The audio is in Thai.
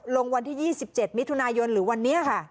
ลงวันที่๒๗มิถุนายนหรือวันนี้ค่ะ